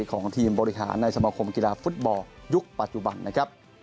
ของทีมบริหารในสมคมกีฬาฟุตบอลยุคปัจจุบันนะครับ